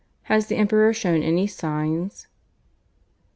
Has the Emperor shown any signs